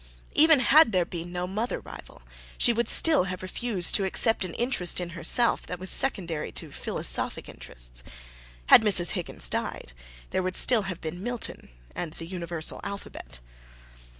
Even had there been no mother rival, she would still have refused to accept an interest in herself that was secondary to philosophic interests. Had Mrs. Higgins died, there would still have been Milton and the Universal Alphabet.